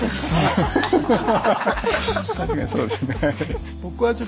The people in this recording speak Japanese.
確かにそうですねはい。